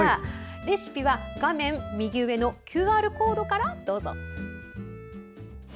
レシピは画面右上のＱＲコードからどうぞ。